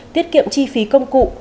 tiết kiệm chi phí công cụ